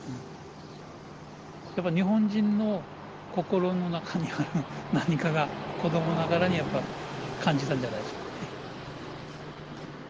やっぱ日本人の心の中にある何かが子どもながらにやっぱ感じたんじゃないでしょうかね。